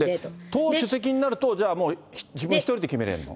党主席になると、じゃあもう、自分１人で決めれんの？